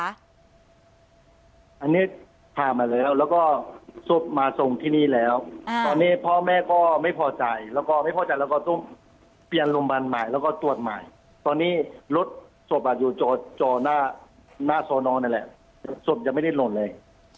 อันนี้พามาแล้วแล้วก็ศพมาส่งที่นี่แล้วตอนนี้พ่อแม่ก็ไม่พอใจแล้วก็ไม่พอใจแล้วก็ต้องเปลี่ยนโรงพยาบาลใหม่แล้วก็ตรวจใหม่ตอนนี้รถศพอยู่จอหน้าซอนอนนั่นแหละศพจะไม่ได้หล่นเลย